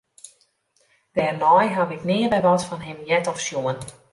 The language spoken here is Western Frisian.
Dêrnei ha ik nea wer wat fan him heard of sjoen.